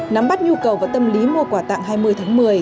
nắm bắt nhu cầu và tâm lý mua quà tặng hai mươi tháng một mươi